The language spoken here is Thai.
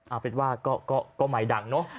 เอาเป็นว่าก็ใหม่ดังเนอะ